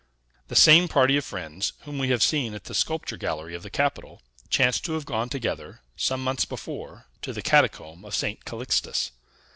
The same party of friends, whom we have seen at the sculpture gallery of the Capitol, chanced to have gone together, some months before, to the catacomb of St. Calixtus.